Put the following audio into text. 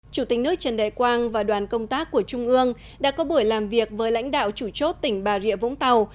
chủ tịch nước trần đại quang và đoàn công tác của trung ương đã có buổi làm việc với lãnh đạo chủ chốt tỉnh bà rịa vũng tàu